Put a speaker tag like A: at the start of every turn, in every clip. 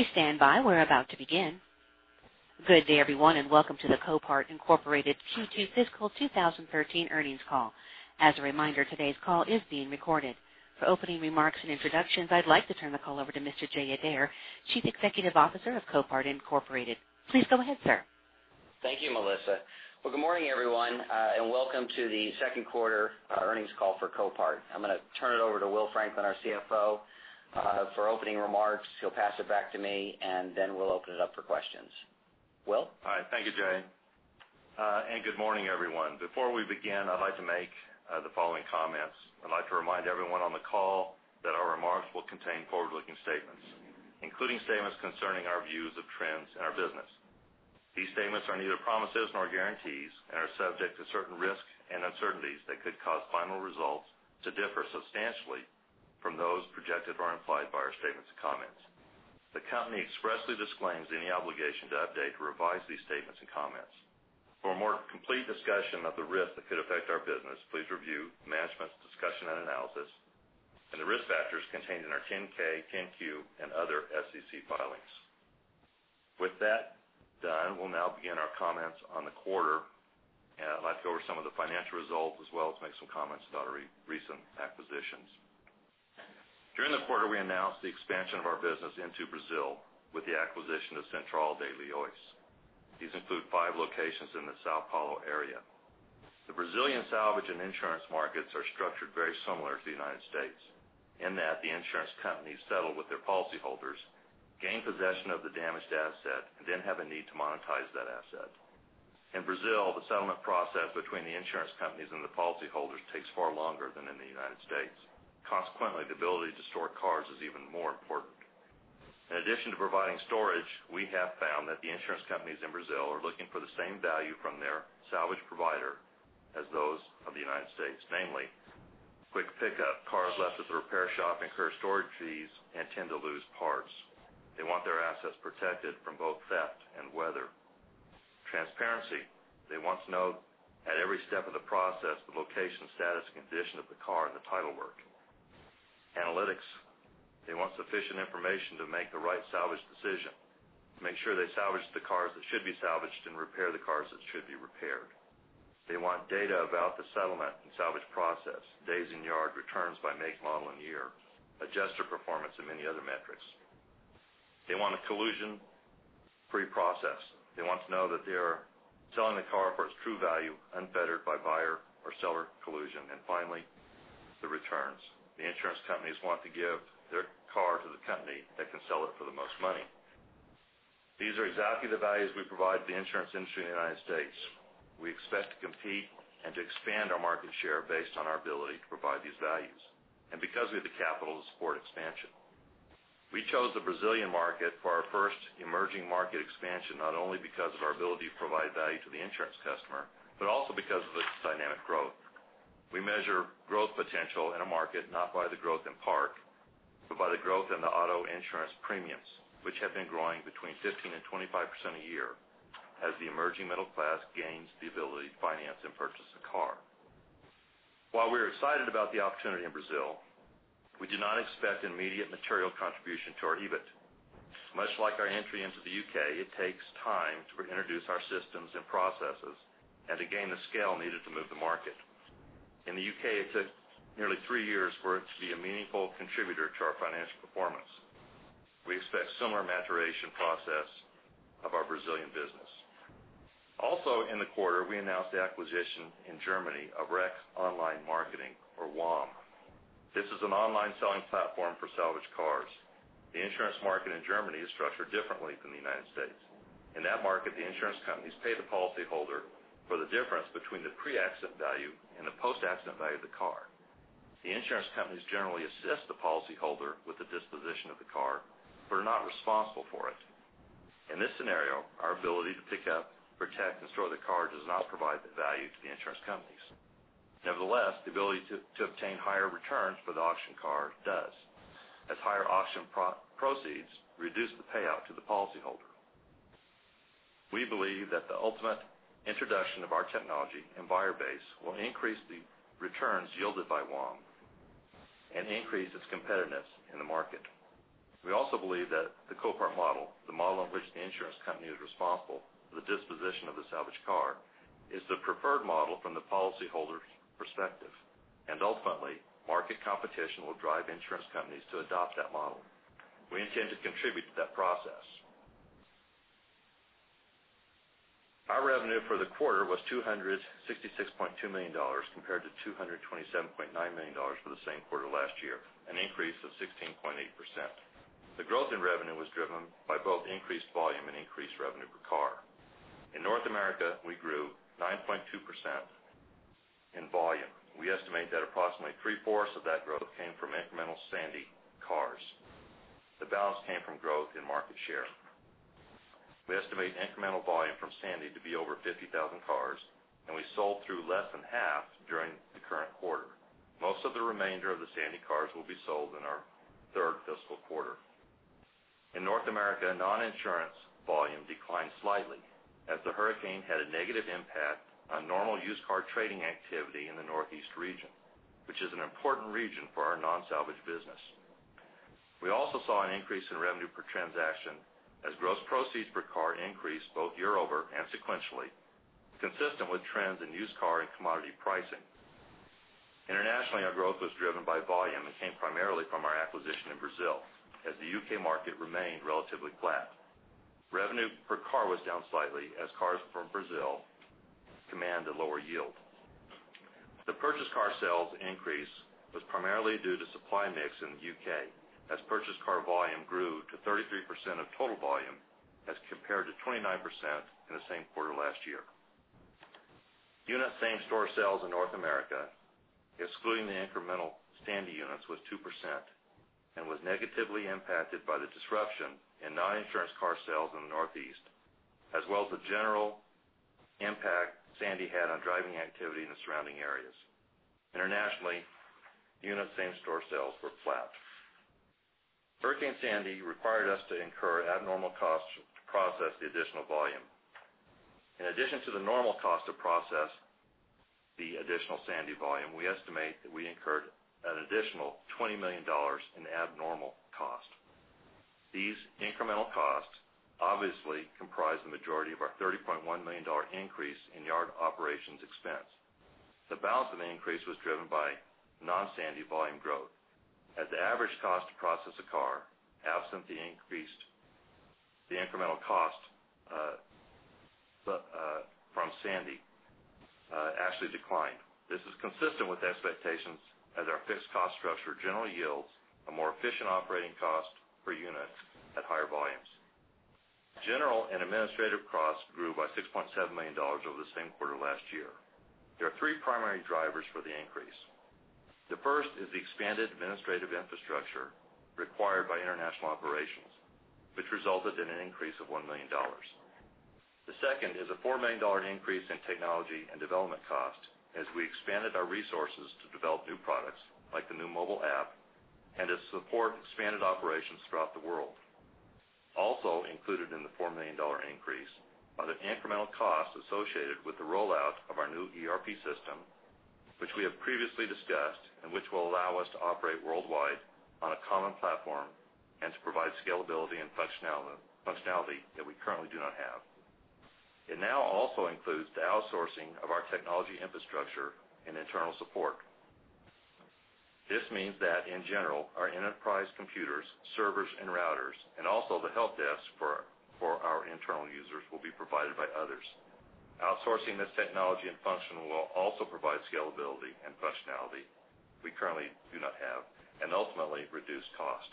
A: Please stand by. We're about to begin. Good day, everyone, welcome to the Copart Incorporated Q2 Fiscal 2013 earnings call. As a reminder, today's call is being recorded. For opening remarks and introductions, I'd like to turn the call over to Mr. Jay Adair, Chief Executive Officer of Copart Incorporated. Please go ahead, sir.
B: Thank you, Melissa. Good morning, everyone, welcome to the second quarter earnings call for Copart. I'm going to turn it over to Will Franklin, our CFO, for opening remarks. He'll pass it back to me, we'll open it up for questions. Will?
C: Hi. Thank you, Jay. Good morning, everyone. Before we begin, I'd like to make the following comments. I'd like to remind everyone on the call that our remarks will contain forward-looking statements, including statements concerning our views of trends in our business. These statements are neither promises nor guarantees and are subject to certain risks and uncertainties that could cause final results to differ substantially from those projected or implied by our statements and comments. The company expressly disclaims any obligation to update or revise these statements and comments. For a more complete discussion of the risks that could affect our business, please review management's discussion and analysis and the risk factors contained in our 10-K, 10-Q, and other SEC filings. With that done, we'll now begin our comments on the quarter. I'd like to go over some of the financial results as well as make some comments about our recent acquisitions. During the quarter, we announced the expansion of our business into Brazil with the acquisition of Central de Leilões. These include five locations in the São Paulo area. The Brazilian salvage and insurance markets are structured very similar to the United States, in that the insurance companies settle with their policyholders, gain possession of the damaged asset, have a need to monetize that asset. In Brazil, the settlement process between the insurance companies and the policyholders takes far longer than in the United States. Consequently, the ability to store cars is even more important. In addition to providing storage, we have found that the insurance companies in Brazil are looking for the same value from their salvage provider as those of the United States, namely quick pickup. Cars left at the repair shop incur storage fees and tend to lose parts. They want their assets protected from both theft and weather. Transparency. They want to know at every step of the process the location, status, condition of the car, and the title work. Analytics. They want sufficient information to make the right salvage decision to make sure they salvage the cars that should be salvaged and repair the cars that should be repaired. They want data about the settlement and salvage process, days in yard, returns by make, model, and year, adjuster performance, and many other metrics. They want a collusion-free process. They want to know that they are selling the car for its true value, unfettered by buyer or seller collusion. Finally, the returns. The insurance companies want to give their car to the company that can sell it for the most money. These are exactly the values we provide to the insurance industry in the United States. We expect to compete and to expand our market share based on our ability to provide these values and because we have the capital to support expansion. We chose the Brazilian market for our first emerging market expansion, not only because of our ability to provide value to the insurance customer, but also because of its dynamic growth. We measure growth potential in a market not by the growth in park, but by the growth in the auto insurance premiums, which have been growing between 15%-25% a year as the emerging middle class gains the ability to finance and purchase a car. While we're excited about the opportunity in Brazil, we do not expect immediate material contribution to our EBIT. Much like our entry into the U.K., it takes time to reintroduce our systems and processes and to gain the scale needed to move the market. In the U.K., it took nearly three years for it to be a meaningful contributor to our financial performance. We expect similar maturation process of our Brazilian business. Also in the quarter, we announced the acquisition in Germany of Wreck Online Marketing, or WOM. This is an online selling platform for salvaged cars. The insurance market in Germany is structured differently than the United States. In that market, the insurance companies pay the policyholder for the difference between the pre-accident value and the post-accident value of the car. The insurance companies generally assist the policyholder with the disposition of the car, but are not responsible for it. In this scenario, our ability to pick up, protect, and store the car does not provide the value to the insurance companies. Nevertheless, the ability to obtain higher returns for the auction car does, as higher auction proceeds reduce the payout to the policyholder. We believe that the ultimate introduction of our technology and buyer base will increase the returns yielded by WOM and increase its competitiveness in the market. We also believe that the Copart model, the model in which the insurance company is responsible for the disposition of the salvaged car, is the preferred model from the policyholder's perspective. Ultimately, market competition will drive insurance companies to adopt that model. We intend to contribute to that process. Our revenue for the quarter was $266.2 million, compared to $227.9 million for the same quarter last year, an increase of 16.8%. The growth in revenue was driven by both increased volume and increased revenue per car. In North America, we grew 9.2% in volume. We estimate that approximately three-fourths of that growth came from incremental Hurricane Sandy cars. The balance came from growth in market share. We estimate incremental volume from Hurricane Sandy to be over 50,000 cars, and we sold through less than half during the current quarter. Most of the remainder of the Hurricane Sandy cars will be sold in our third fiscal quarter. In North America, non-insurance volume declined slightly as the hurricane had a negative impact on normal used car trading activity in the Northeast region. Which is an important region for our non-salvage business. We also saw an increase in revenue per transaction as gross proceeds per car increased both year-over-year and sequentially, consistent with trends in used car and commodity pricing. Internationally, our growth was driven by volume and came primarily from our acquisition in Brazil, as the U.K. market remained relatively flat. Revenue per car was down slightly as cars from Brazil command a lower yield. The purchased car sales increase was primarily due to supply mix in the U.K., as purchased car volume grew to 33% of total volume as compared to 29% in the same quarter last year. Unit same-store sales in North America, excluding the incremental Hurricane Sandy units, was 2% and was negatively impacted by the disruption in non-insurance car sales in the Northeast, as well as the general impact Hurricane Sandy had on driving activity in the surrounding areas. Internationally, unit same-store sales were flat. Hurricane Sandy required us to incur abnormal costs to process the additional volume. In addition to the normal cost to process the additional Hurricane Sandy volume, we estimate that we incurred an additional $20 million in abnormal cost. These incremental costs obviously comprise the majority of our $30.1 million increase in yard operations expense. The balance of the increase was driven by non-Hurricane Sandy volume growth as the average cost to process a car, absent the incremental cost from Hurricane Sandy, actually declined. This is consistent with expectations as our fixed cost structure generally yields a more efficient operating cost per unit at higher volumes. General and administrative costs grew by $6.7 million over the same quarter last year. There are three primary drivers for the increase. The first is the expanded administrative infrastructure required by international operations, which resulted in an increase of $1 million. The second is a $4 million increase in technology and development costs as we expanded our resources to develop new products like the new mobile app and to support expanded operations throughout the world. Also included in the $4 million increase are the incremental costs associated with the rollout of our new ERP system, which we have previously discussed and which will allow us to operate worldwide on a common platform and to provide scalability and functionality that we currently do not have. It now also includes the outsourcing of our technology infrastructure and internal support. This means that, in general, our enterprise computers, servers, and routers, and also the help desk for our internal users will be provided by others. Outsourcing this technology and function will also provide scalability and functionality we currently do not have and ultimately reduce cost.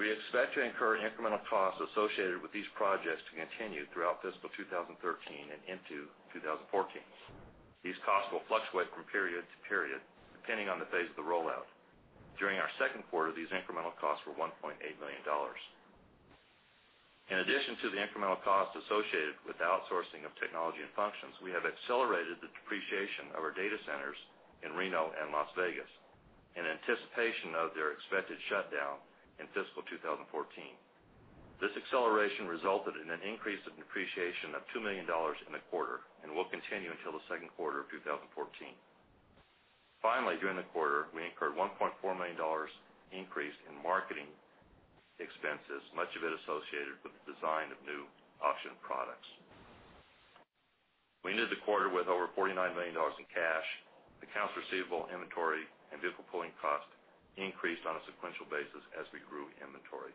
C: We expect to incur incremental costs associated with these projects to continue throughout fiscal 2013 and into 2014. These costs will fluctuate from period to period, depending on the phase of the rollout. During our second quarter, these incremental costs were $1.8 million. In addition to the incremental costs associated with the outsourcing of technology and functions, we have accelerated the depreciation of our data centers in Reno and Las Vegas in anticipation of their expected shutdown in fiscal 2014. This acceleration resulted in an increase in depreciation of $2 million in the quarter and will continue until the second quarter of 2014. Finally, during the quarter, we incurred $1.4 million increase in marketing expenses, much of it associated with the design of new auction products. We ended the quarter with over $49 million in cash. Accounts receivable, inventory, and vehicle pulling costs increased on a sequential basis as we grew inventory.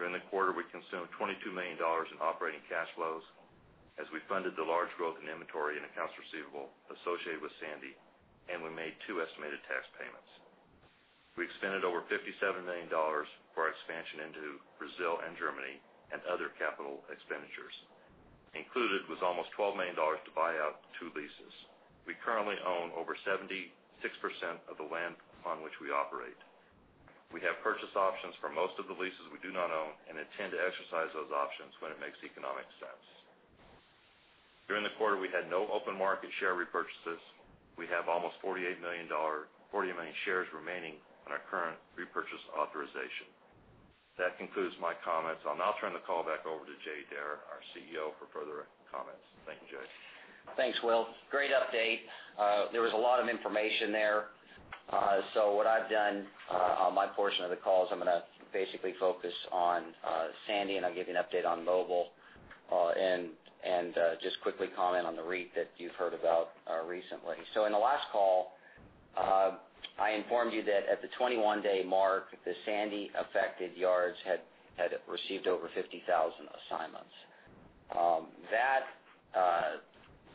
C: During the quarter, we consumed $22 million in operating cash flows as we funded the large growth in inventory and accounts receivable associated with Hurricane Sandy, and we made two estimated tax payments. We expended over $57 million for our expansion into Brazil and Germany and other capital expenditures. Included was almost $12 million to buy out two leases. We currently own over 76% of the land on which we operate. We have purchase options for most of the leases we do not own and intend to exercise those options when it makes economic sense. During the quarter, we had no open market share repurchases. We have almost 40 million shares remaining on our current repurchase authorization. That concludes my comments. I'll now turn the call back over to Jay Adair, our CEO, for further comments. Thank you, Jay.
B: Thanks, Will. Great update. There was a lot of information there. What I've done on my portion of the call is I'm going to basically focus on Hurricane Sandy, and I'll give you an update on mobile, and just quickly comment on the REIT that you've heard about recently. In the last call, I informed you that at the 21-day mark, the Hurricane Sandy-affected yards had received over 50,000 assignments.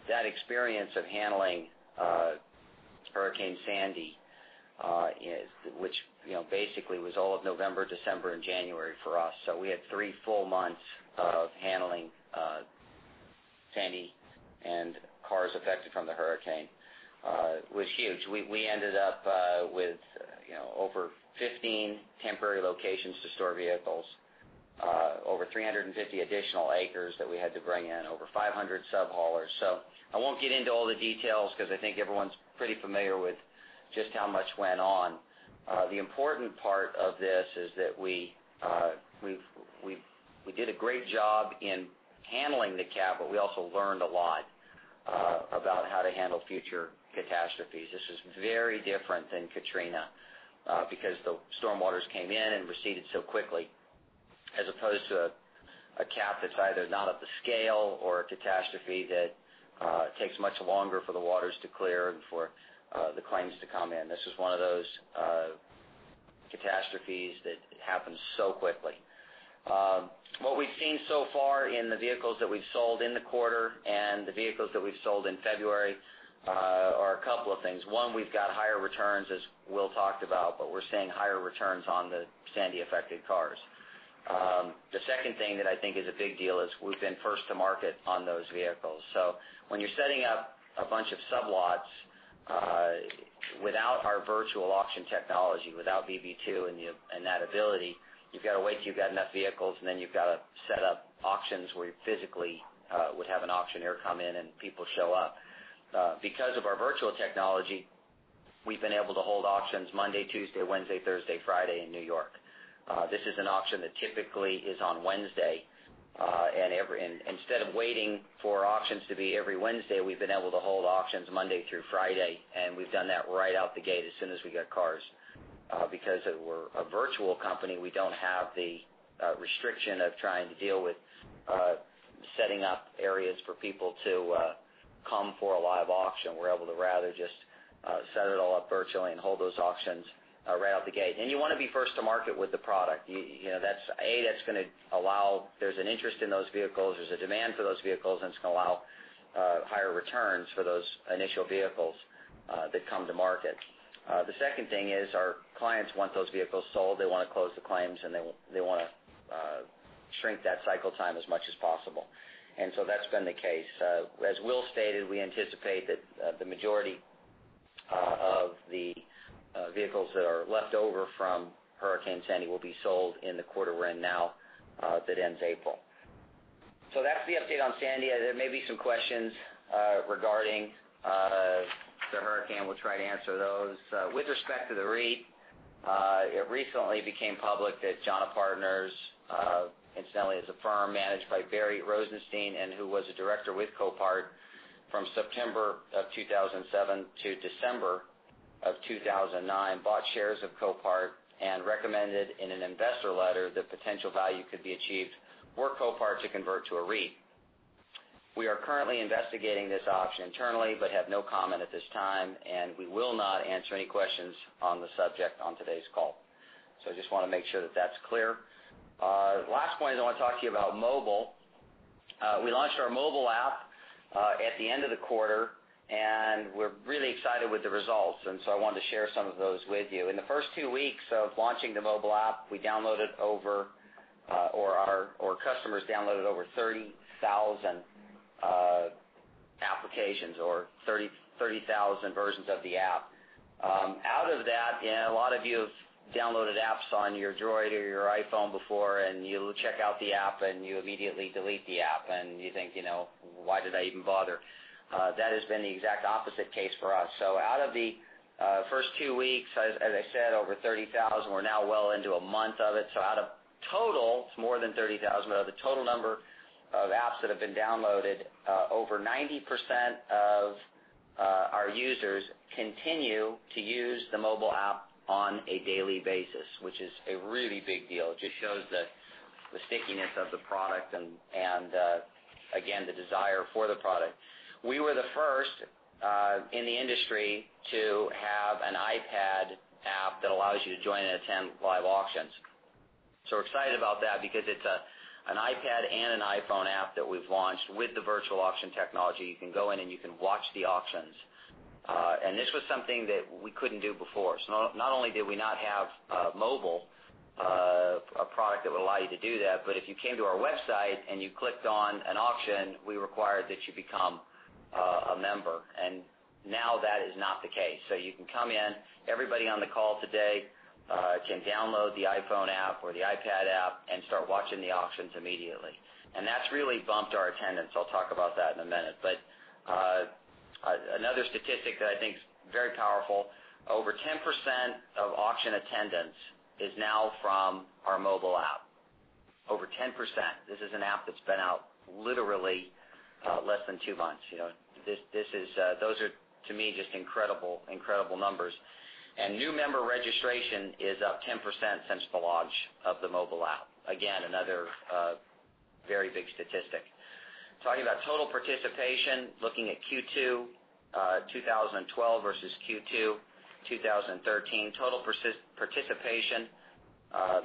B: That experience of handling Hurricane Sandy, which basically was all of November, December, and January for us. We had three full months of handling Hurricane Sandy and cars affected from the hurricane. It was huge. We ended up with over 15 temporary locations to store vehicles, over 350 additional acres that we had to bring in, over 500 sub-haulers. I won't get into all the details because I think everyone's pretty familiar with just how much went on. The important part of this is that We did a great job in handling the cat, but we also learned a lot about how to handle future catastrophes. This is very different than Hurricane Katrina because the storm waters came in and receded so quickly, as opposed to a cat that's either not of the scale or a catastrophe that takes much longer for the waters to clear and for the claims to come in. This is one of those catastrophes that happens so quickly. What we've seen so far in the vehicles that we've sold in the quarter and the vehicles that we've sold in February are a couple of things. One, we've got higher returns, as Will talked about, but we're seeing higher returns on the Sandy affected cars. The second thing that I think is a big deal is we've been first to market on those vehicles. When you're setting up a bunch of sublots without our virtual auction technology, without VB2 and that ability, you've got to wait till you've got enough vehicles, and then you've got to set up auctions where you physically would have an auctioneer come in and people show up. Because of our virtual technology, we've been able to hold auctions Monday, Tuesday, Wednesday, Thursday, Friday in N.Y. This is an auction that typically is on Wednesday. Instead of waiting for auctions to be every Wednesday, we've been able to hold auctions Monday through Friday, and we've done that right out the gate as soon as we get cars. Because we're a virtual company, we don't have the restriction of trying to deal with setting up areas for people to come for a live auction. We're able to rather just set it all up virtually and hold those auctions right out the gate. You want to be first to market with the product. A, there's an interest in those vehicles, there's a demand for those vehicles, and it's going to allow higher returns for those initial vehicles that come to market. The second thing is our clients want those vehicles sold. They want to close the claims, and they want to shrink that cycle time as much as possible. That's been the case. As Will stated, we anticipate that the majority of the vehicles that are left over from Hurricane Sandy will be sold in the quarter we're in now, that ends April. That's the update on Sandy. There may be some questions regarding the hurricane. We'll try to answer those. With respect to the REIT, it recently became public that JANA Partners, incidentally, is a firm managed by Barry Rosenstein, and who was a director with Copart from September 2007 to December 2009, bought shares of Copart and recommended in an investor letter the potential value could be achieved were Copart to convert to a REIT. We are currently investigating this option internally but have no comment at this time, we will not answer any questions on the subject on today's call. I just want to make sure that that's clear. Last point I want to talk to you about mobile. We launched our mobile app at the end of the quarter, and we're really excited with the results. I wanted to share some of those with you. In the first two weeks of launching the mobile app, our customers downloaded over 30,000 applications or 30,000 versions of the app. Out of that, and a lot of you have downloaded apps on your Droid or your iPhone before, and you check out the app, and you immediately delete the app, and you think, "Why did I even bother?" That has been the exact opposite case for us. Out of the first two weeks, as I said, over 30,000. We are now well into a month of it. Out of total, it is more than 30,000. The total number of apps that have been downloaded, over 90% of our users continue to use the mobile app on a daily basis, which is a really big deal. It just shows the stickiness of the product and again, the desire for the product. We were the first in the industry to have an iPad app that allows you to join and attend live auctions. We're excited about that because it's an iPad and an iPhone app that we've launched with the virtual auction technology. You can go in, and you can watch the auctions. This was something that we couldn't do before. Not only did we not have mobile, a product that would allow you to do that, but if you came to our website and you clicked on an auction, we required that you become a member. Now that is not the case. You can come in. Everybody on the call today can download the iPhone app or the iPad app and start watching the auctions immediately. That's really bumped our attendance. I'll talk about that in a minute. Another statistic that I think is very powerful, over 10% of auction attendance is now from our mobile app. Over 10%. This is an app that's been out literally less than two months. Those are, to me, just incredible numbers. New member registration is up 10% since the launch of the mobile app. Again, another very big statistic. Talking about total participation, looking at Q2 2012 versus Q2 2013, total participation,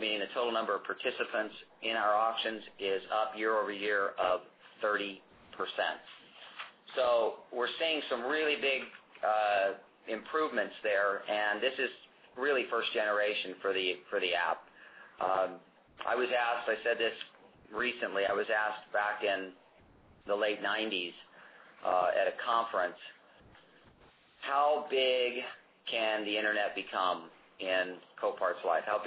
B: meaning the total number of participants in our auctions, is up year-over-year of 30%. We're seeing some really big improvements there, and this is really first generation for the app. I said this recently. I was asked back in the late '90s at a conference, how big can the internet become in Copart's life? How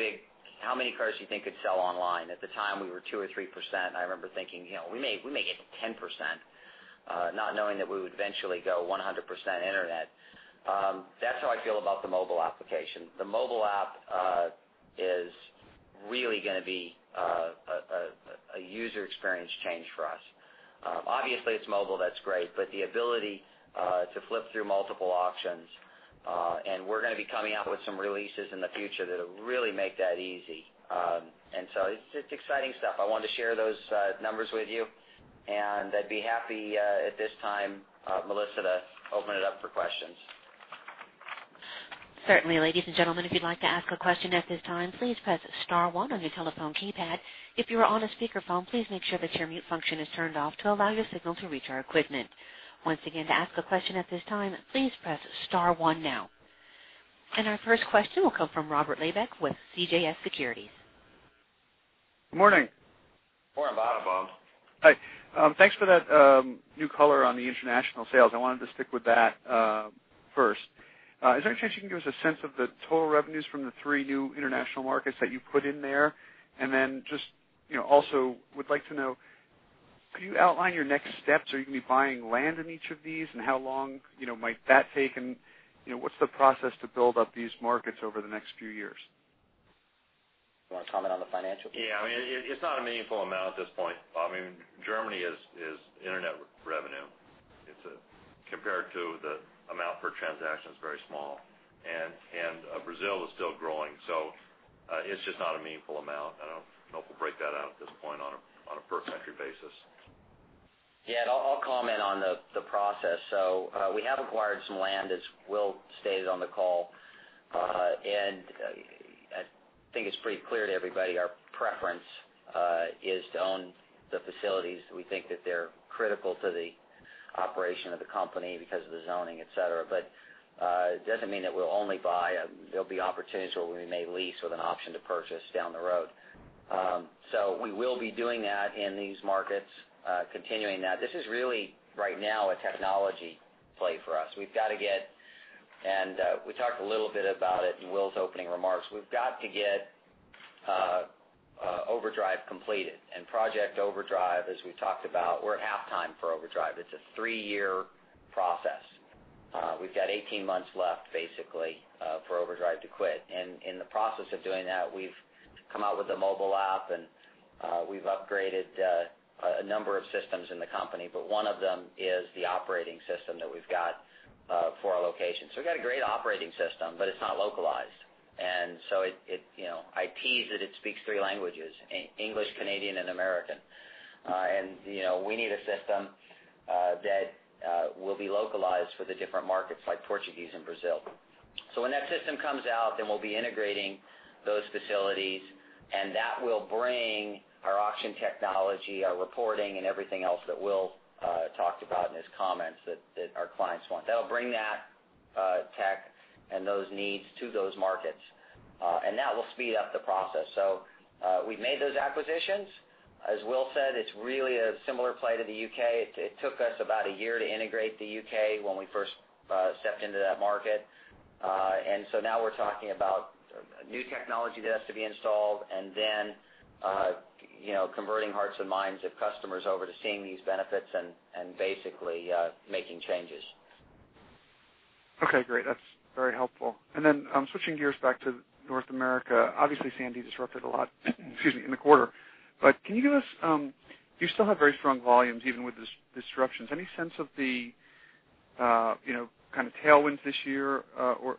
B: many cars do you think could sell online? At the time, we were 2% or 3%. We're thinking we may hit 10%, not knowing that we would eventually go 100% internet. That's how I feel about the mobile application. The mobile app is really going to be a user experience change for us. Obviously, it's mobile, that's great, but the ability to flip through multiple auctions, and we're going to be coming out with some releases in the future that'll really make that easy. It's exciting stuff. I wanted to share those numbers with you, and I'd be happy, at this time, Melissa, to open it up for questions.
A: Certainly. Ladies and gentlemen, if you'd like to ask a question at this time, please press *1 on your telephone keypad. If you are on a speakerphone, please make sure that your mute function is turned off to allow your signal to reach our equipment. Once again, to ask a question at this time, please press *1 now. Our first question will come from Robert Labick with CJS Securities.
D: Good morning.
C: Morning, Bob.
D: Hi. Thanks for that new color on the international sales. I wanted to stick with that first. Is there any chance you can give us a sense of the total revenues from the three new international markets that you put in there? Then just also would like to know, could you outline your next steps? Are you going to be buying land in each of these, and how long might that take, and what's the process to build up these markets over the next few years?
B: You want to comment on the financial piece?
C: Yeah, it's not a meaningful amount at this point, Bob. Germany is internet revenue. Compared to the amount per transaction, it's very small. Brazil is still growing, it's just not a meaningful amount. I don't know if we'll break that out at this point on a per country basis.
B: I'll comment on the process. We have acquired some land, as Will stated on the call. I think it's pretty clear to everybody, our preference is to own the facilities. We think that they're critical to the operation of the company because of the zoning, et cetera. It doesn't mean that we'll only buy. There'll be opportunities where we may lease with an option to purchase down the road. We will be doing that in these markets, continuing that. This is really, right now, a technology play for us. We've got to get, we talked a little bit about it in Will's opening remarks. We've got to get OverDrive completed, project OverDrive, as we've talked about, we're at half time for OverDrive. It's a three-year process. We've got 18 months left, basically, for OverDrive to quit. In the process of doing that, we've come out with a mobile app, we've upgraded a number of systems in the company, one of them is the operating system that we've got for our location. I tease that it speaks three languages, English, Canadian, and American. We need a system that will be localized for the different markets, like Portuguese in Brazil. When that system comes out, we'll be integrating those facilities, that will bring our auction technology, our reporting, and everything else that Will talked about in his comments that our clients want. That'll bring that tech and those needs to those markets. That will speed up the process. We've made those acquisitions. As Will said, it's really a similar play to the U.K. It took us about a year to integrate the U.K. when we first stepped into that market. Now we're talking about new technology that has to be installed and then converting hearts and minds of customers over to seeing these benefits and basically making changes.
D: Okay, great. That's very helpful. Switching gears back to North America, obviously Hurricane Sandy disrupted a lot, excuse me, in the quarter. Can you give us, you still have very strong volumes even with the disruptions. Any sense of the kind of tailwinds this year, or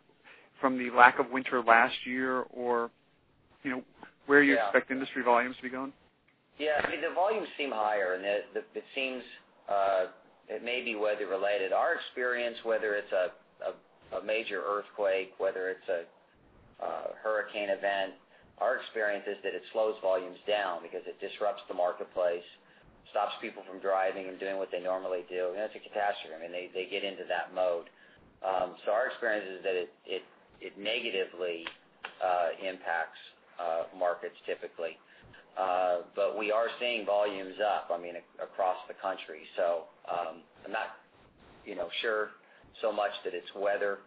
D: from the lack of winter last year, or where you expect industry volumes to be going?
B: Yeah. The volumes seem higher, and it seems it may be weather related. Our experience, whether it's a major earthquake, whether it's a hurricane event, our experience is that it slows volumes down because it disrupts the marketplace, stops people from driving and doing what they normally do. That's a catastrophe. They get into that mode. Our experience is that it negatively impacts markets typically. We are seeing volumes up across the country. I'm not sure so much that it's weather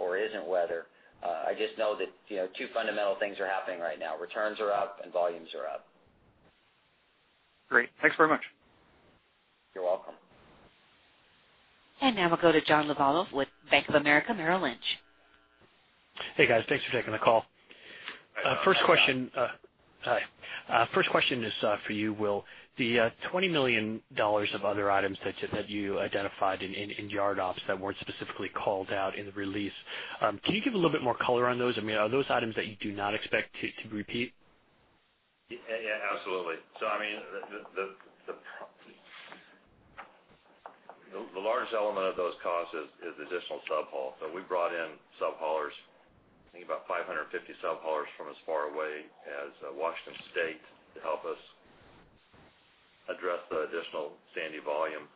B: or isn't weather. I just know that two fundamental things are happening right now. Returns are up and volumes are up.
D: Great. Thanks very much.
B: You're welcome.
A: Now we'll go to John Lovallo with Bank of America Merrill Lynch.
E: Hey, guys. Thanks for taking the call. First question.
C: Hi, John.
E: Hi. First question is for you, Will. The $20 million of other items that you identified in yard ops that weren't specifically called out in the release, can you give a little bit more color on those? Are those items that you do not expect to repeat?
C: Absolutely. The large element of those costs is additional subhaul. We brought in subhaulers, I think about 550 subhaulers from as far away as Washington State to help us address the additional Sandy volume.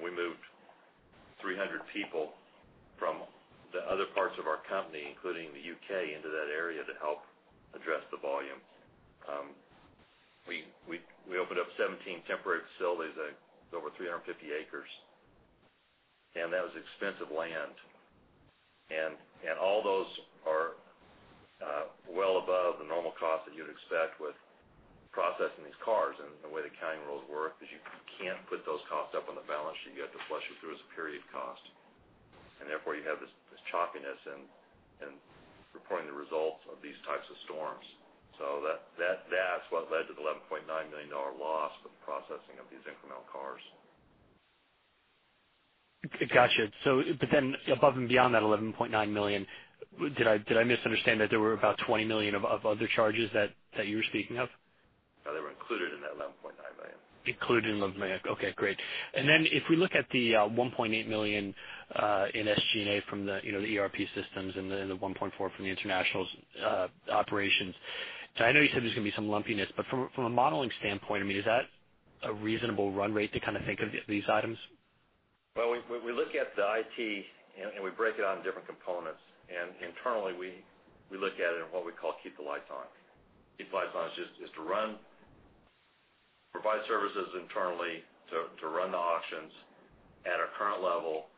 C: We moved 300 people from the other parts of our company, including the U.K., into that area to help address the volume. We opened up 17 temporary facilities, over 350 acres. That was expensive land. All those are well above the normal cost that you'd expect with processing these cars. The way the accounting rules work is you can't put those costs up on the balance sheet. You have to flush it through as a period cost. Therefore, you have this choppiness in reporting the results of these types of storms. That's what led to the $11.9 million loss for the processing of these incremental cars.
E: Got you. Above and beyond that $11.9 million, did I misunderstand that there were about $20 million of other charges that you were speaking of?
C: No, they were included in that $11.9 million.
E: Included in $11.9. Okay, great. If we look at the $1.8 million in SG&A from the ERP systems and the $1.4 from the international operations. I know you said there's going to be some lumpiness, but from a modeling standpoint, is that a reasonable run rate to think of these items?
C: Well, we look at the IT, and we break it out in different components. Internally, we look at it in what we call keep the lights on. Keep the lights on is just to run, provide services internally to run the auctions at our current level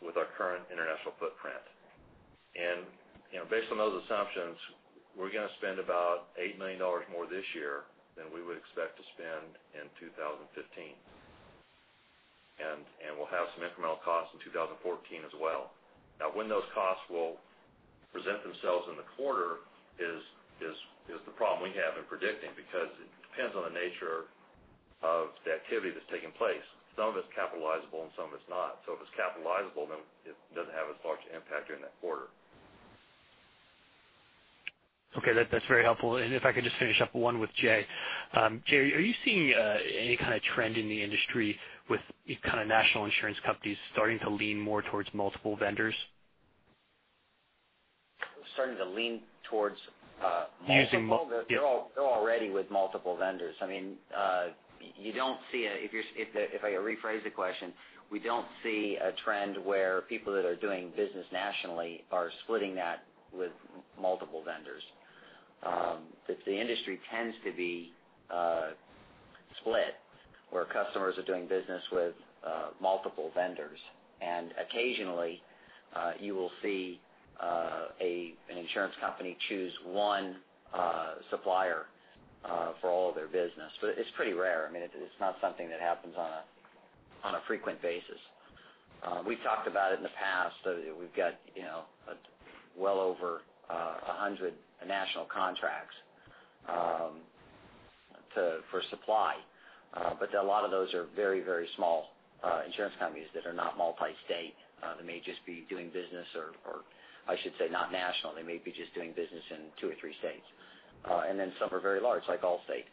C: with our current international footprint. Based on those assumptions, we're going to spend about $8 million more this year than we would expect to spend in 2015. We'll have some incremental costs in 2014 as well. When those costs will present themselves in the quarter is the problem we have in predicting, because it depends on the nature of the activity that's taking place. Some of it's capitalizable and some of it's not. If it's capitalizable, then it doesn't have as large an impact during that quarter.
E: Okay. That's very helpful. If I could just finish up one with Jay. Jay, are you seeing any kind of trend in the industry with any kind of national insurance companies starting to lean more towards multiple vendors?
B: Starting to lean towards multiple-
E: Using multiple. Yeah.
B: They're already with multiple vendors. If I rephrase the question, we don't see a trend where people that are doing business nationally are splitting that with multiple vendors. The industry tends to be split where customers are doing business with multiple vendors. Occasionally, you will see an insurance company choose one supplier for all of their business. It's pretty rare. It's not something that happens on a frequent basis. We've talked about it in the past. We've got well over 100 national contracts for supply. A lot of those are very, very small insurance companies that are not multi-state. They may just be doing business, or I should say not national. They may be just doing business in two or three states. Then some are very large, like Allstate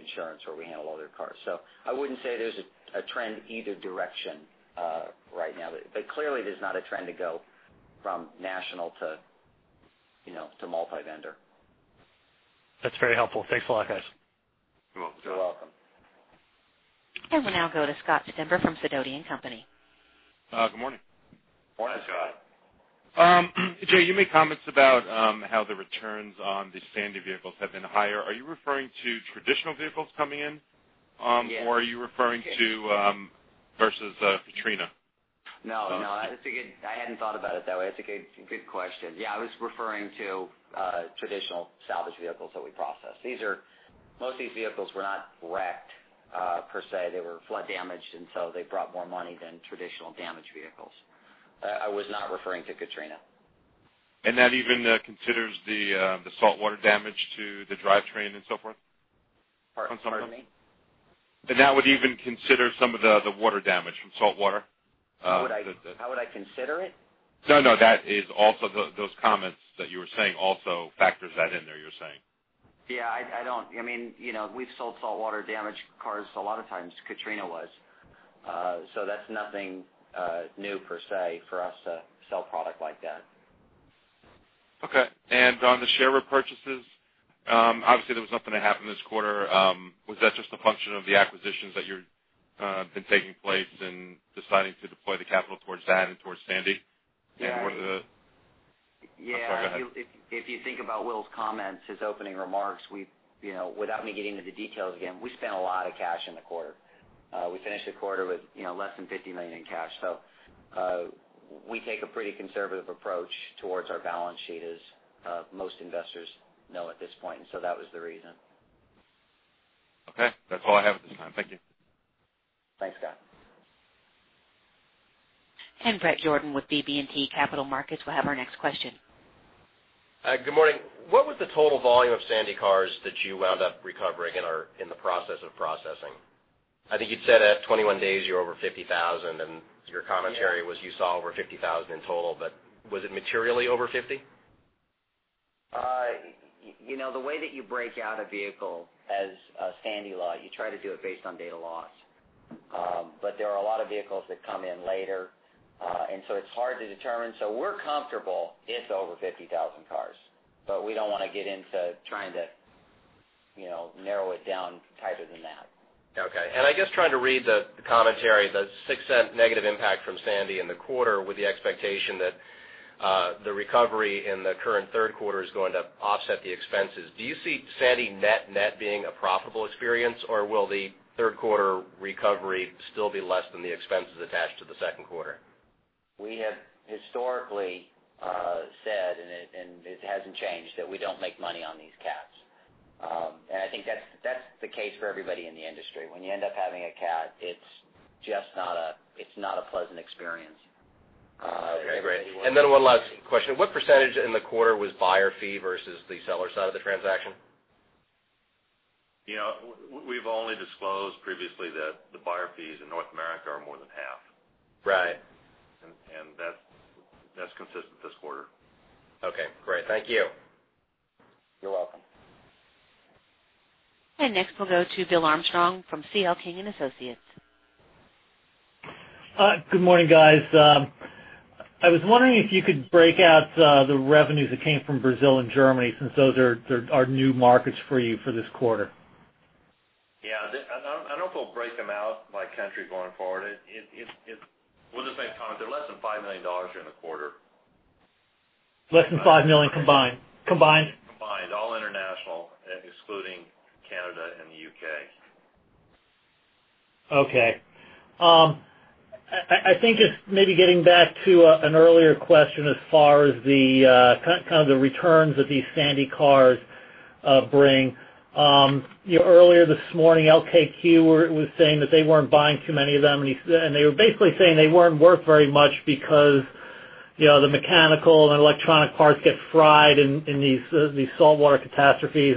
B: Insurance, where we handle all their cars. I wouldn't say there's a trend either direction right now. Clearly, there's not a trend to go from national to multi-vendor.
E: That's very helpful. Thanks a lot, guys.
C: You're welcome.
B: You're welcome.
A: We'll now go to Scott Stember from Sidoti & Company.
F: Good morning.
C: Morning, Scott.
F: Jay, you made comments about how the returns on the Sandy vehicles have been higher. Are you referring to traditional vehicles coming in?
B: Yes.
F: Are you referring to versus Katrina?
B: No. I hadn't thought about it that way. That's a good question. Yeah, I was referring to traditional salvage vehicles that we process. Most of these vehicles were not wrecked per se. They were flood damaged, and so they brought more money than traditional damaged vehicles. I was not referring to Katrina.
F: That even considers the saltwater damage to the drivetrain and so forth?
B: Pardon me?
F: That would even consider some of the water damage from saltwater?
B: How would I consider it?
F: No, that is also those comments that you were saying also factors that in there, you were saying.
B: Yeah. We've sold saltwater-damaged cars a lot of times, Katrina was. That's nothing new, per se, for us to sell product like that.
F: Okay. On the share repurchases, obviously there was nothing that happened this quarter. Was that just a function of the acquisitions that have been taking place and deciding to deploy the capital towards that and towards Sandy?
B: Yeah.
F: I'm sorry, go ahead.
B: If you think about Will's comments, his opening remarks, without me getting into the details again, we spent a lot of cash in the quarter. We finished the quarter with less than $50 million in cash. We take a pretty conservative approach towards our balance sheet, as most investors know at this point. That was the reason.
F: Okay. That's all I have at this time. Thank you.
B: Thanks, Scott.
A: Bret Jordan with BB&T Capital Markets will have our next question.
G: Good morning. What was the total volume of Sandy cars that you wound up recovering and are in the process of processing? I think you'd said at 21 days, you're over 50,000, and your commentary-
B: Yeah
G: was you saw over 50,000 in total, but was it materially over 50?
B: The way that you break out a vehicle as a Sandy lot, you try to do it based on date of loss. There are a lot of vehicles that come in later. It's hard to determine. We're comfortable it's over 50,000 cars, but we don't want to get into trying to narrow it down tighter than that.
G: Okay. I guess trying to read the commentary, the $0.06 negative impact from Sandy in the quarter with the expectation that the recovery in the current third quarter is going to offset the expenses. Do you see Sandy net net being a profitable experience, or will the third quarter recovery still be less than the expenses attached to the second quarter?
B: We have historically said, and it hasn't changed, that we don't make money on these cats. I think that's the case for everybody in the industry. When you end up having a cat, it's not a pleasant experience.
G: Great. One last question. What % in the quarter was buyer fee versus the seller side of the transaction?
C: We've only disclosed previously that the buyer fees in North America are more than half.
G: Right.
C: That's consistent this quarter.
G: Okay, great. Thank you.
B: You're welcome.
A: Next, we'll go to Bill Armstrong from C.L. King & Associates.
H: Good morning, guys. I was wondering if you could break out the revenues that came from Brazil and Germany since those are new markets for you for this quarter.
B: Yeah. I don't know if we'll break them out by country going forward.
C: We'll just make comments. They're less than $5 million in the quarter.
H: Less than five million combined?
B: Combined. All international, excluding Canada and the U.K.
H: Okay. I think just maybe getting back to an earlier question as far as the kind of the returns that these Sandy cars bring. Earlier this morning, LKQ was saying that they weren't buying too many of them, and they were basically saying they weren't worth very much because the mechanical and electronic parts get fried in these saltwater catastrophes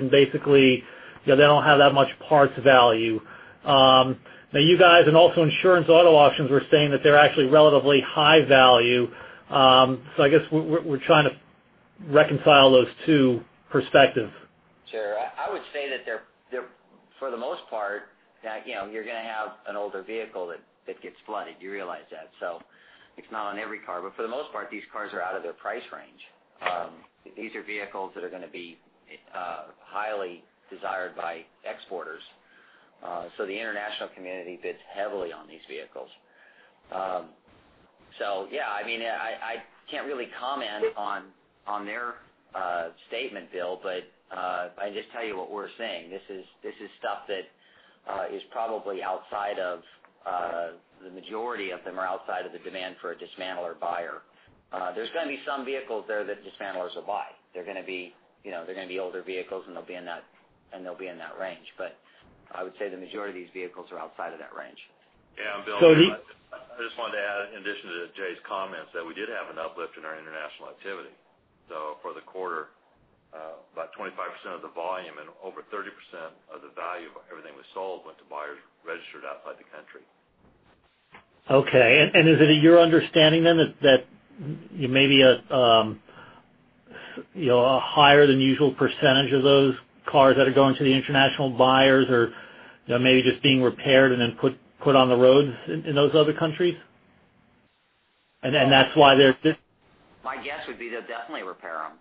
H: and basically, they don't have that much parts value. Now you guys, and also Insurance Auto Auctions, were saying that they're actually relatively high value. I guess we're trying to reconcile those two perspectives.
B: Sure. I would say that for the most part, you're going to have an older vehicle that gets flooded. You realize that. It's not on every car, but for the most part, these cars are out of their price range. These are vehicles that are going to be highly desired by exporters. The international community bids heavily on these vehicles. Yeah, I can't really comment on their statement, Bill, but I just tell you what we're saying. This is stuff that is probably outside of the majority of them are outside of the demand for a dismantler buyer. There's going to be some vehicles there that dismantlers will buy. They're going to be older vehicles, and they'll be in that range. I would say the majority of these vehicles are outside of that range.
C: Yeah, Bill. I just wanted to add, in addition to Jay's comments, that we did have an uplift in our international activity. For the quarter, about 25% of the volume and over 30% of the value of everything we sold went to buyers registered outside the country.
H: Okay. Is it your understanding then that maybe a higher than usual % of those cars that are going to the international buyers are maybe just being repaired and then put on the roads in those other countries?
B: My guess would be they'll definitely repair them.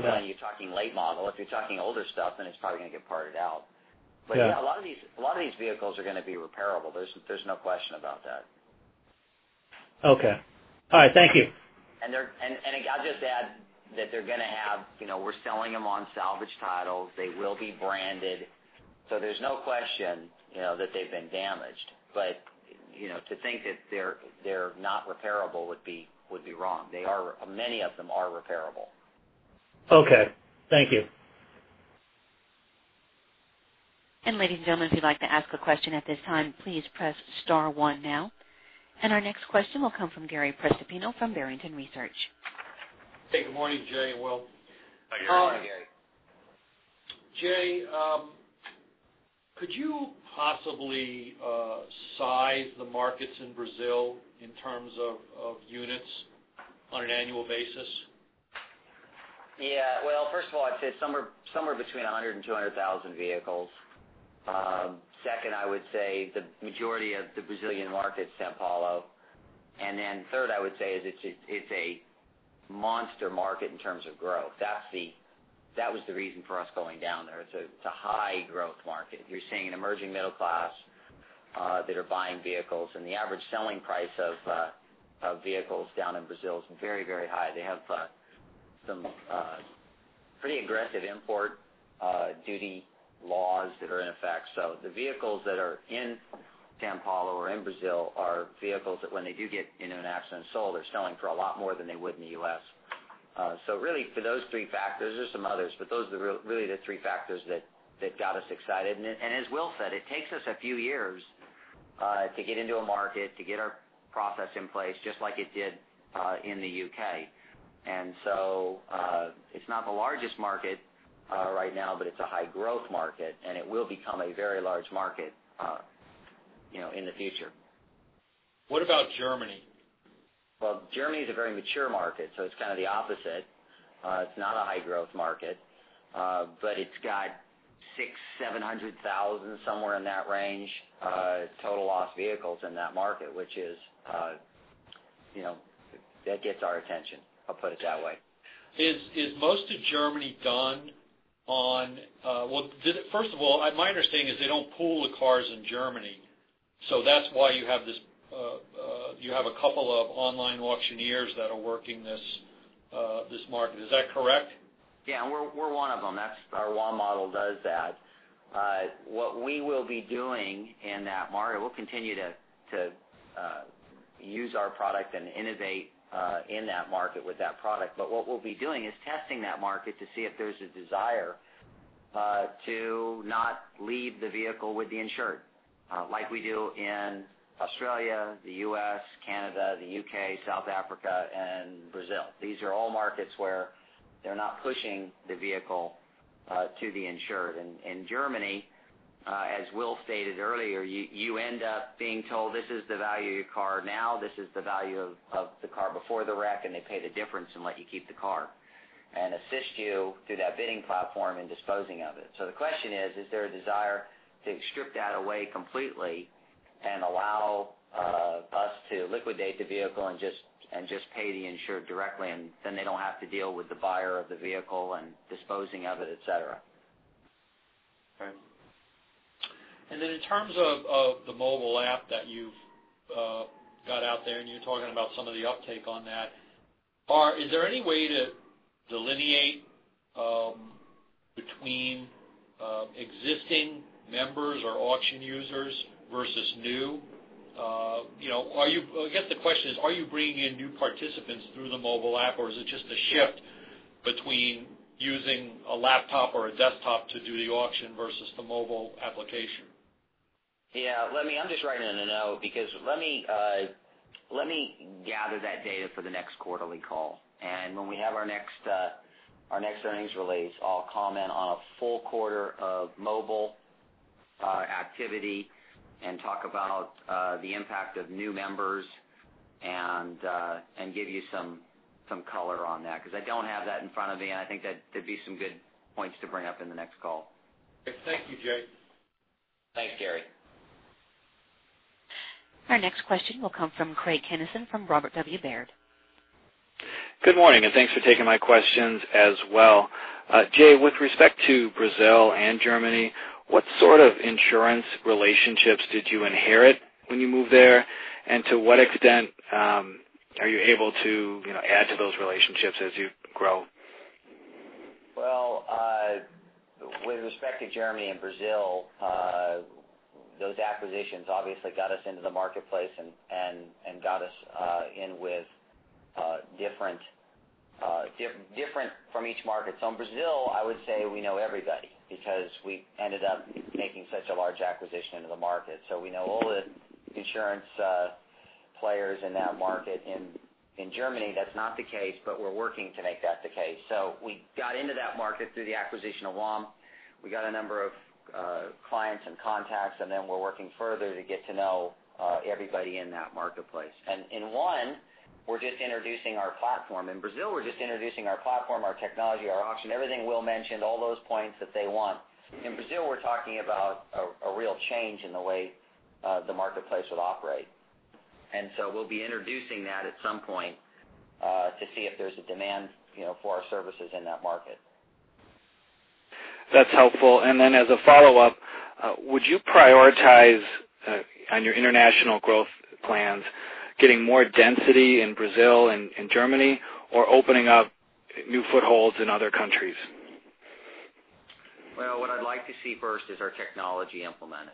H: Yeah.
B: You're talking late model. If you're talking older stuff, then it's probably going to get parted out.
H: Yeah.
B: A lot of these vehicles are going to be repairable. There's no question about that.
H: Okay. All right. Thank you.
B: I'll just add that we're selling them on salvage titles. They will be branded. There's no question that they've been damaged. To think that they're not repairable would be wrong. Many of them are repairable.
H: Okay. Thank you.
A: Ladies and gentlemen, if you'd like to ask a question at this time, please press star one now. Our next question will come from Gary Prestopino from Barrington Research.
I: Hey, good morning, Jay and Will.
B: Hi, Gary.
C: Hi, Gary.
I: Jay, could you possibly size the markets in Brazil in terms of units on an annual basis?
B: Yeah. Well, first of all, I'd say somewhere between 100,000 and 200,000 vehicles. Second, I would say the majority of the Brazilian market is São Paulo. Third, I would say is it's a monster market in terms of growth. That was the reason for us going down there. It's a high growth market. You're seeing an emerging middle class that are buying vehicles, and the average selling price of vehicles down in Brazil is very high. They have some pretty aggressive import duty laws that are in effect. The vehicles that are in São Paulo or in Brazil are vehicles that when they do get in an accident, sold, they're selling for a lot more than they would in the U.S. Really for those three factors, there's some others, but those are really the three factors that got us excited. As Will said, it takes us a few years to get into a market, to get our process in place, just like it did in the U.K. It's not the largest market right now, but it's a high growth market, and it will become a very large market in the future.
I: What about Germany?
B: Well, Germany is a very mature market, so it's kind of the opposite. It's not a high growth market. It's got 600,000, 700,000, somewhere in that range, total loss vehicles in that market, which gets our attention. I'll put it that way.
I: Is most of Germany done on Well, first of all, my understanding is they don't pool the cars in Germany. that's why you have a couple of online auctioneers that are working this market. Is that correct?
B: Yeah, we're one of them. Our WOM model does that. What we will be doing in that market, we'll continue to use our product and innovate in that market with that product. what we'll be doing is testing that market to see if there's a desire to not leave the vehicle with the insured, like we do in Australia, the U.S., Canada, the U.K., South Africa, and Brazil. These are all markets where they're not pushing the vehicle to the insured. In Germany, as Will stated earlier, you end up being told, "This is the value of your car now, this is the value of the car before the wreck," and they pay the difference and let you keep the car and assist you through that bidding platform in disposing of it. the question is there a desire to strip that away completely and allow us to liquidate the vehicle and just pay the insurer directly, and then they don't have to deal with the buyer of the vehicle and disposing of it, et cetera.
I: Okay. then in terms of the mobile app that you've got out there, and you're talking about some of the uptake on that, is there any way to delineate between existing members or auction users versus new? I guess the question is, are you bringing in new participants through the mobile app, or is it just a shift between using a laptop or a desktop to do the auction versus the mobile application?
B: Yeah. I'm just writing a note because let me gather that data for the next quarterly call. When we have our next earnings release, I'll comment on a full quarter of mobile activity and talk about the impact of new members and give you some color on that. I don't have that in front of me, and I think that there'd be some good points to bring up in the next call.
I: Thank you, Jay.
B: Thanks, Gary.
A: Our next question will come from Craig Kennison from Robert W. Baird.
J: Good morning, and thanks for taking my questions as well. Jay, with respect to Brazil and Germany, what sort of insurance relationships did you inherit when you moved there, and to what extent are you able to add to those relationships as you grow?
B: Well, with respect to Germany and Brazil, those acquisitions obviously got us into the marketplace and got us in with different from each market. In Brazil, I would say we know everybody because we ended up making such a large acquisition into the market. We know all the insurance players in that market. In Germany, that's not the case, we're working to make that the case. We got into that market through the acquisition of WAM. We got a number of clients and contacts, we're working further to get to know everybody in that marketplace. In one, we're just introducing our platform. In Brazil, we're just introducing our platform, our technology, our auction, everything Will mentioned, all those points that they want. In Brazil, we're talking about a real change in the way the marketplace would operate. We'll be introducing that at some point, to see if there's a demand for our services in that market.
J: That's helpful. As a follow-up, would you prioritize on your international growth plans getting more density in Brazil and in Germany, or opening up new footholds in other countries?
B: Well, what I'd like to see first is our technology implemented.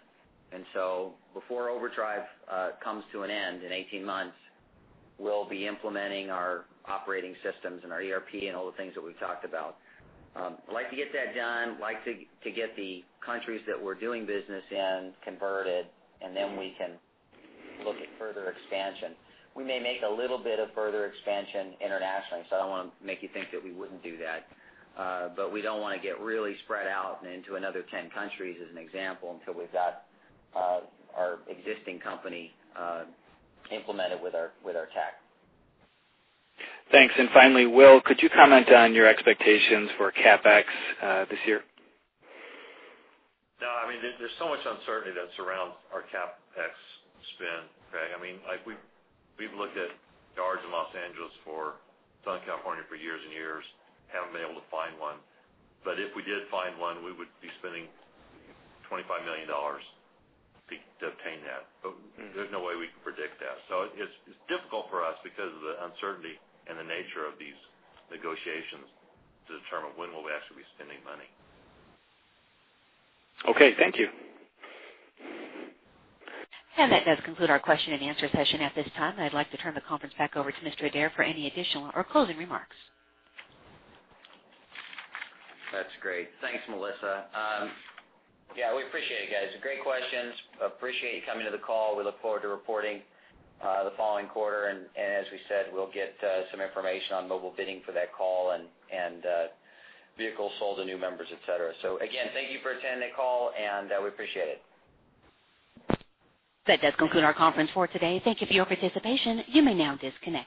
B: So before OverDrive comes to an end in 18 months, we'll be implementing our operating systems and our ERP, and all the things that we've talked about. I'd like to get that done. Like to get the countries that we're doing business in converted, and then we can look at further expansion. We may make a little bit of further expansion internationally, so I don't want to make you think that we wouldn't do that. We don't want to get really spread out and into another 10 countries, as an example, until we've got our existing company implemented with our tech.
J: Thanks. Finally, Will, could you comment on your expectations for CapEx this year?
C: No, there's so much uncertainty that surrounds our CapEx spend, Craig. We've looked at yards in Los Angeles for Southern California for years and years, haven't been able to find one. If we did find one, we would be spending $25 million to obtain that. There's no way we can predict that. It's difficult for us because of the uncertainty and the nature of these negotiations to determine when will we actually be spending money.
J: Okay, thank you.
A: That does conclude our question and answer session at this time. I'd like to turn the conference back over to Mr. Adair for any additional or closing remarks.
B: That's great. Thanks, Melissa. Yeah, we appreciate it, guys. Great questions. Appreciate you coming to the call. We look forward to reporting the following quarter. As we said, we'll get some information on mobile bidding for that call and vehicles sold to new members, et cetera. Again, thank you for attending the call, and we appreciate it.
A: That does conclude our conference for today. Thank you for your participation. You may now disconnect.